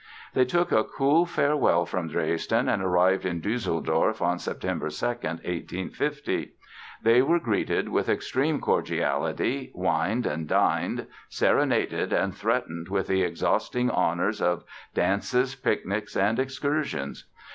They took a cool farewell from Dresden and arrived in Düsseldorf on Sept. 2, 1850. They were greeted with extreme cordiality, wined and dined, serenaded and threatened with the exhausting honors of dances, picnics and excursions.